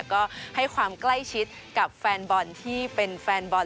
ก็ให้ความใกล้ชิดกับแฟนบอลที่เป็นแฟนบอล